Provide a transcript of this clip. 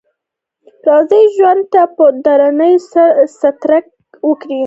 راځئ ژوند ته په درنه سترګه وګورو.